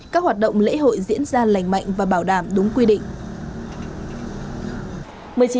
các hoạt động lễ hội diễn ra lành mạnh và bảo đảm đúng quy định